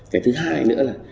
cái thứ hai nữa là